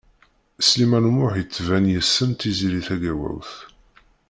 Sliman U Muḥ yettban yessen Tiziri Tagawawt.